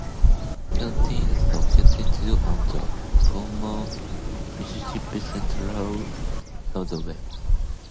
Quentin is located on the former Mississippi Central Railroad.